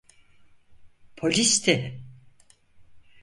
Polisti.